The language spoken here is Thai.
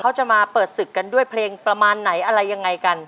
เขาจะมาเปิดศึกกันด้วยเพลงประมาณไหนอะไรยังไงกัน